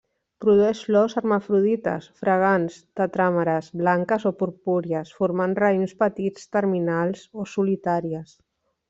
Produeix flors hermafrodites, fragants, tetràmeres, blanques o purpúries, formant raïms petits terminals o solitàries.